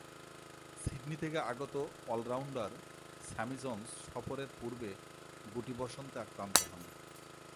Sydney থেকে আগত all rounder Sammy Jones সফরের পূর্বে গুটি বসন্তে আক্রান্ত হন।